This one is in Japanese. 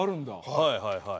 はいはいはい。